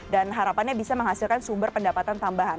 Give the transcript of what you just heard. dan harapannya bisa menghasilkan sumber pendapatan tambahan